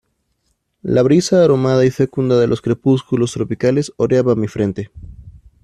la brisa aromada y fecunda de los crepúsculos tropicales oreaba mi frente.